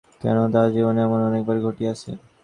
কেননা, তাহার জীবনে এমন অনেকবার ঘটিয়াছে।